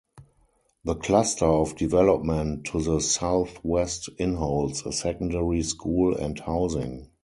The cluster of development to the southwest inholds a secondary school and housing.